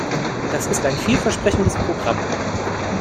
Das ist ein vielversprechendes Programm.